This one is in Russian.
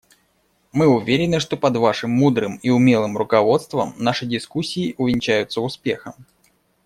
Мы уверены, что под Вашим мудрым и умелым руководством наши дискуссии увенчаются успехом.